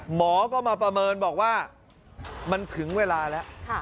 หมอก็มาประเมินบอกว่ามันถึงเวลาแล้ว